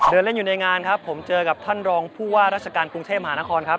เดินเล่นอยู่ในงานครับผมเจอกับท่านรองผู้ว่าราชการกรุงเทพมหานครครับ